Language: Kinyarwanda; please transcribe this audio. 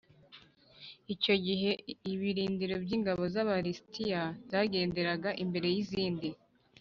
icyo gihe ibirindiro by ingabo z Aba lisitiya zagendaga imbere y izindi